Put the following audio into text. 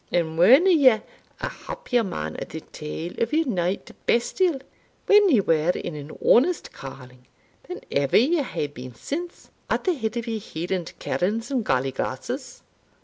and werena ye a happier man at the tail o' your nowte bestial, when ye were in an honest calling, than ever ye hae been since, at the head o' your Hieland kernes and gally glasses?"